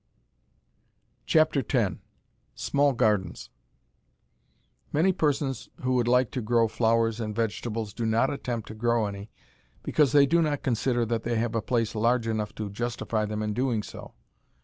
X SMALL GARDENS Many persons who would like to grow flowers and vegetables do not attempt to grow any because they do not consider that they have a place large enough to justify them in doing so.